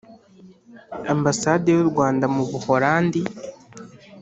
ambasade y u rwanda mu buhorandi